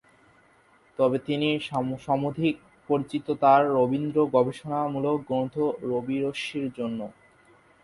তবে তিনি সমধিক পরিচিত তার রবীন্দ্র-গবেষণামূলক গ্রন্থ ‘রবি-রশ্মি’র জন্য।